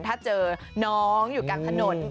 ถ้าเจอน้องอยู่กลางถนน